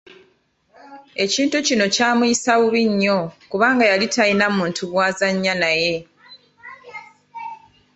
Ekintu kino kyamuyisa bubi nnyo kubanga yali taliina muntu gw'azannya naye.